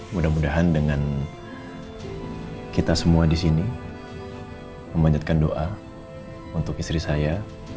mudah mudahan dengan kita semua di sini memanjatkan doa untuk istri saya